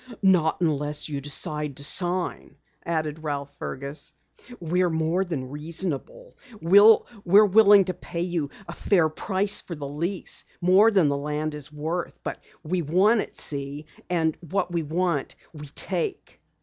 "Not unless you decide to sign," added Ralph Fergus. "We're more than reasonable. We're willing to pay you a fair price for the lease, more than the land is worth. But we want it, see? And what we want we take."